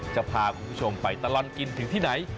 จะพาคุณผู้ชมไปตลอดกินถึงที่ไหน